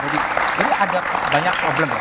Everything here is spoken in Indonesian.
jadi ada banyak problem